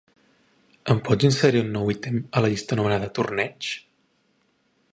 Em pots inserir un nou ítem a la llista anomenada "torneig"?